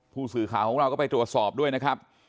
ผู้สื่อข่าวของเราก็ไปตรวจสอบด้วยนะครับ